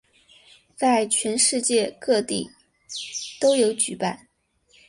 在全世界各地都有举办。